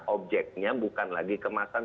objeknya bukan lagi kemasan